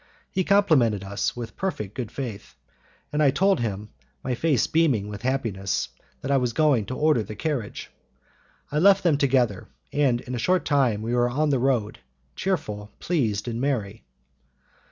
He complimented us with perfect good faith, and I told him, my face beaming with happiness, that I was going to order the carriage. I left them together, and in a short time we were on our road, cheerful, pleased, and merry.